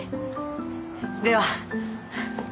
では。